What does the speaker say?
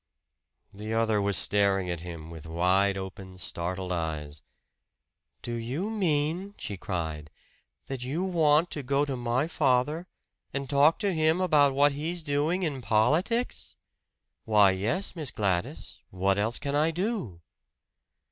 The other was staring at him with wide open, startled eyes. "Do you mean," she cried, "that you want to go to my father and talk to him about what he's doing in politics?" "Why, yes, Miss Gladys what else can I do?"